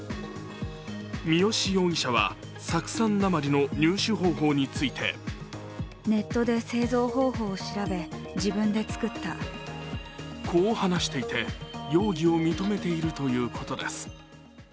三好容疑者は酢酸鉛の入手方法についてこう話していて、容疑を認めているということです。